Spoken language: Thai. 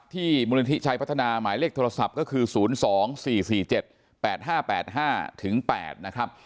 ที่มูลนิธิชัยพัฒนาหมายเลขโทรศัพท์ก็คือศูนย์สองสี่สี่เจ็ดแปดห้าแปดห้าถึงแปดนะครับ